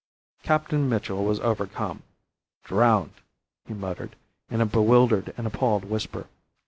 Captain Mitchell was overcome. "Drowned!" he muttered, in a bewildered and appalled whisper.